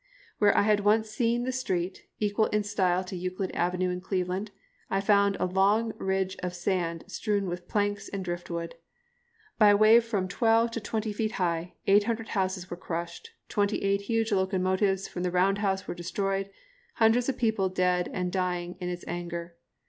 Where I had once seen the street, equal in style to Euclid Avenue in Cleveland, I found a long ridge of sand strewn with planks and driftwood. By a wave from twelve to twenty feet high, 800 houses were crushed, twenty eight huge locomotives from the round house were destroyed, hundreds of people dead and dying in its anger.